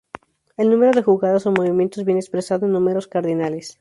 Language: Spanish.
El número de jugadas o movimientos viene expresado en números cardinales.